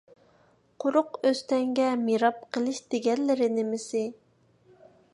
قۇرۇق ئۆستەڭگە مىراب قىلىش دېگەنلىرى نېمىسى؟